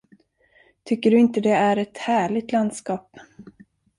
Tycker du inte det är ett härligt landskap?